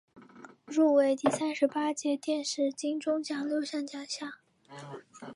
入围第三十八届电视金钟奖六项奖项。